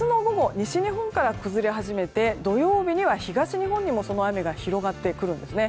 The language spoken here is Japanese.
西日本から崩れ始めて土曜日には東日本にもその雨が広がってくるんですね。